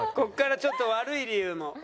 ここからちょっと悪い理由も。